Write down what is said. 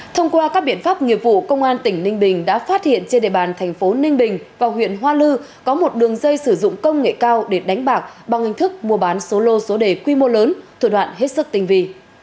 thông qua các biện pháp nghiệp vụ công an tỉnh ninh bình đã phát hiện trên địa bàn thành phố ninh bình và huyện hoa lư có một đường dây sử dụng công nghệ cao để đánh bạc bằng hình thức mua bán số lô số đề quy mô lớn thủ đoạn hết sức tinh vi